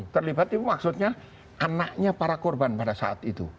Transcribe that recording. terlibat itu maksudnya anaknya para korban pada saat itu